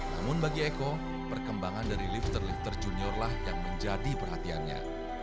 namun bagi eko perkembangan dari lifter lifter junior lah yang menjadi perhatiannya